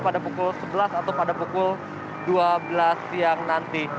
pada pukul sebelas atau pada pukul dua belas siang nanti